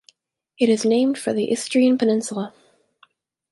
It is named for the Istrian peninsula.